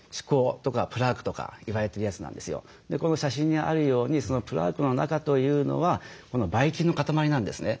この写真にあるようにそのプラークの中というのはばい菌の固まりなんですね。